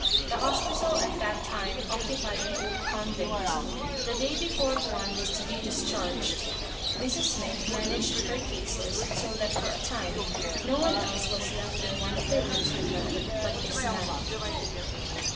The hospital at that time occupied an old convent. The day before Juan was to be discharged, Mrs. Smith managed her cases so that for a time no one else was left in one of the rooms with her but this man.